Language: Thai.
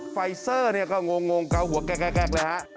ไฟซอร์ก็งงเกาหัวแกล้งเลยครับ